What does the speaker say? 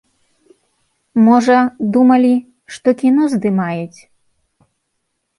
Можа, думалі, што кіно здымаюць.